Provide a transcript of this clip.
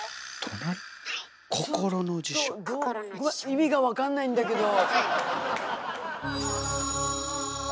意味が分かんないんだけど。